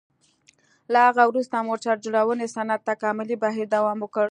له هغه وروسته موټر جوړونې صنعت تکاملي بهیر دوام وکړ.